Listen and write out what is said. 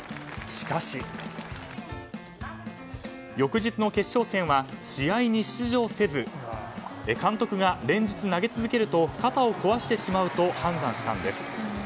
しかし、翌日の決勝戦は試合に出場せず監督が連日投げ続けると肩を壊してしまうと判断したんです。